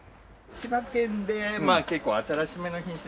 千葉県でまあ結構新しめの品種で。